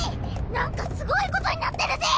なんかすごいことになってるぜ！